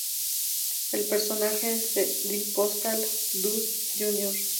El personaje es The postal Dude Jr.